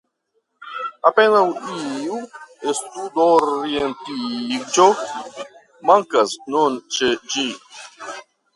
Apenaŭ iu studorientiĝo mankas nun ĉe ĝi.